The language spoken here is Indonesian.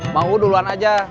mau duluan aja